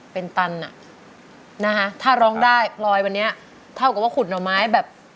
เป็นตันอ่ะนะคะถ้าร้องได้พลอยวันนี้เท่ากับว่าขุดหน่อไม้แบบ